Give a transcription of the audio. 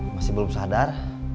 masih belum sadar